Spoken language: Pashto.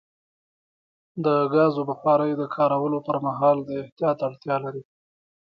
د ګازو بخاري د کارولو پر مهال د احتیاط اړتیا لري.